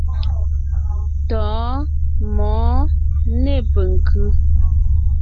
Tɔ̌ɔn, mɔ̌ɔn, nê penkʉ́.